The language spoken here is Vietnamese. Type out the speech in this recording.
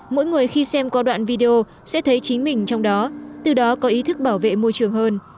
mỗi người khi xem có đoạn video sẽ thấy chính mình trong đó từ đó có ý thức bảo vệ môi trường hơn